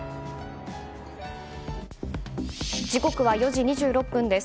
時刻は４時２６分です。